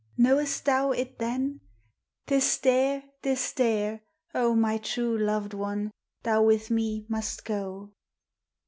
Know'st thou it then ? T is there! T is there, O my true loved one, thou with me must go